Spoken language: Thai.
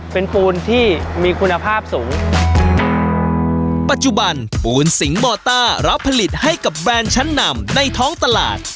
เป็นปูนที่มีคุณภาพสูงปัจจุบันปูนสิงหมอต้ารับผลิตให้กับแบรนด์ชั้นนำในท้องตลาด